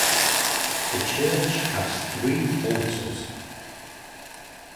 The church has three altars.